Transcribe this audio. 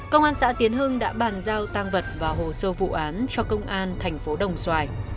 công an xã tiến hưng đã bàn giao tang vật và hồ sơ vụ án cho công an tp đồng xoài